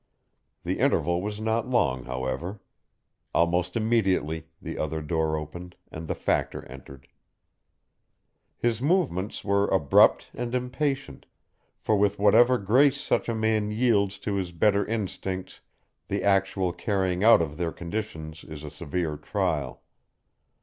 The interval was not long, however. Almost immediately the other door opened and the Factor entered. His movements were abrupt and impatient, for with whatever grace such a man yields to his better instincts the actual carrying out of their conditions is a severe trial.